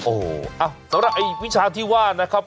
โอ้โหสำหรับไอ้วิชาที่ว่านะครับ